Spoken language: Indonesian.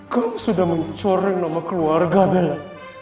kamu sudah mencoreng nama keluarga bella